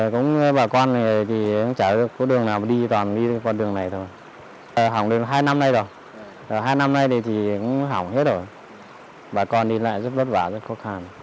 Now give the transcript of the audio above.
cũng bà con này thì chả có đường nào đi toàn đi con đường này thôi hỏng đường hai năm nay rồi hai năm nay thì cũng hỏng hết rồi bà con đi lại rất vất vả rất khó khăn